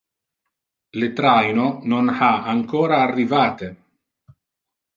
Le traino non ha ancora arrivate.